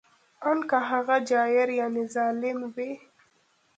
ان که هغه جائر یعنې ظالم وي